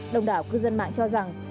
đồng đảo cư dân mạng cho rằng